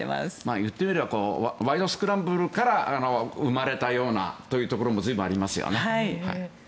言ってみれば「ワイド！スクランブル」から生まれたようなところもありますよね。